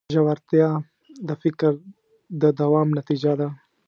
ژورتیا د فکر د دوام نتیجه ده.